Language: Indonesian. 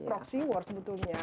ini proxy war sebetulnya